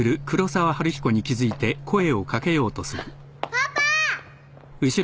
・パパ！